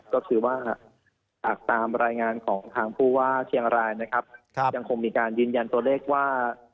ก็คือว่าตามรายงานของผู้ว่าเชียงรายยังคงมีการยืนยันตัวเลขว่า